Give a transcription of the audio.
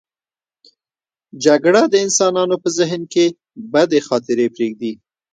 جګړه د انسانانو په ذهن کې بدې خاطرې پرېږدي.